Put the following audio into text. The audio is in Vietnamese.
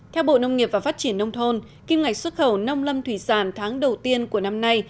theo bộ nông nghiệp và phát triển nông thôn kim ngạch xuất khẩu nông lâm thủy sản tháng đầu tiên của năm nay